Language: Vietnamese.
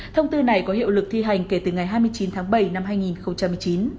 thông tư này có hiệu lực thi hành kể từ ngày hai mươi chín tháng bảy năm hai nghìn một mươi chín